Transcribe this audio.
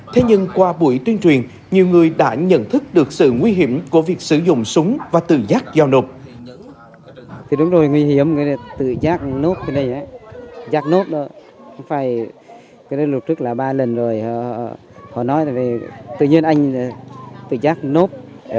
thế nhưng qua buổi tuyên truyền nhiều người đã nhận thức được sự nguy hiểm của việc sử dụng súng và tự giác giao nộp